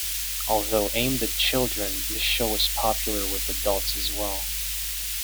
Although aimed at children, this show was popular with adults as well.